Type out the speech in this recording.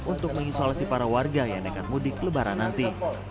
untuk mengisolasi para warga yang nekat mudik lebaran nanti